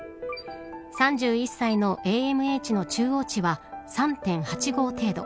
３１歳のＡＭＨの中央値は３．８５程度。